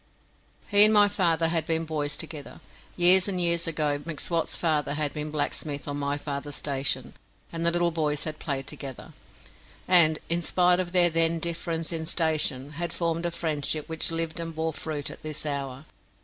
He and my father had been boys together. Years and years ago M'Swat's father had been blacksmith on my father's station, and the little boys had played together, and, in spite of their then difference in station, had formed a friendship which lived and bore fruit at this hour.